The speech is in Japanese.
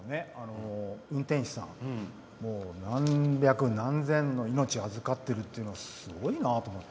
運転士さん何百何千の命を預かってるっていうのすごいなって思って。